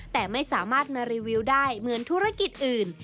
แต่ไม่สามารถมารีวิวได้เหมือนธุรกิจอื่น